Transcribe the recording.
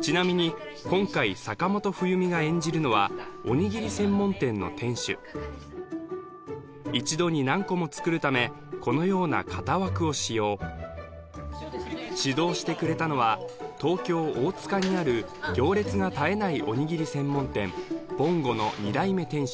ちなみに今回坂本冬美が演じるのはおにぎり専門店の店主一度に何個も作るためこのような型枠を使用指導してくれたのは東京大塚にある行列が絶えないおにぎり専門店ぼんごの２代目店主